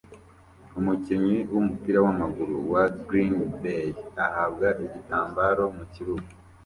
Umukinnyi wumupira wamaguru wa Greenbay ahabwa igitambaro mukibuga